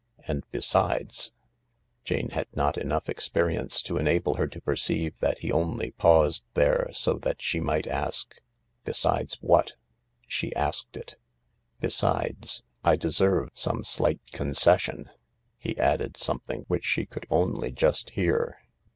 And besides ..." Jane had not enough experience to enable her to perceive that he only paused there so that she might ask, " Besides what ?" She asked it. " Besides — I deserve some slight concession." He added something which she could only just hear.